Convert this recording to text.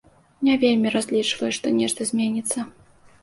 Не вельмі разлічваю, што нешта зменіцца.